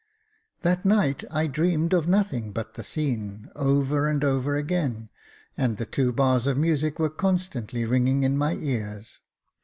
That night I dreamed of nothing but the scene, over and over again, and the two bars of music were constantly ringing in my ears.